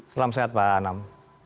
salam sehat pak anam